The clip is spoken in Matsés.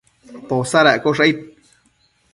Posadaccosh aid